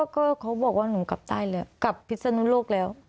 ก็เขาบอกว่าหนูกลับใต้แล้วกลับพิศนุโลกแล้ว